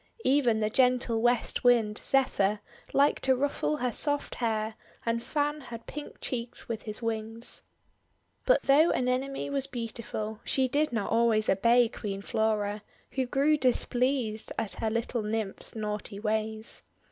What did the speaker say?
Even the gentle West Wind, Zephyr, liked to ruffle her soft hair and fan her pink cheeks with his wings. But though Anemone was beautiful, she did not always obey Queen Flora, who grew dis pleased at her little Nymph's naughty ways.